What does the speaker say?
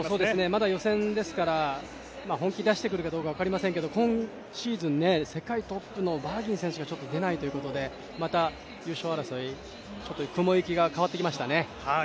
まだ予選ですから本気出してくるかどうか分かりませんけれども今シーズン、世界トップのバーギン選手が出ないということでまた、優勝争い雲行きが変わってきましたね。